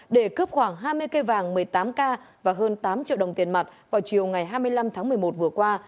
để cướp khoảng hai mươi cây vàng một mươi tám k và hơn tám triệu đồng tiền mặt vào chiều ngày hai mươi năm tháng một mươi một vừa qua